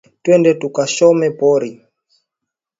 Twende tuka tshome pori